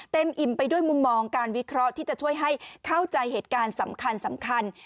อิ่มไปด้วยมุมมองการวิเคราะห์ที่จะช่วยให้เข้าใจเหตุการณ์สำคัญ